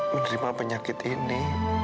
menerima penyakit ini